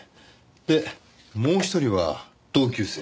でもう１人は同級生？